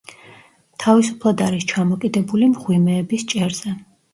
თავისუფლად არის ჩამოკიდებული მღვიმეების ჭერზე.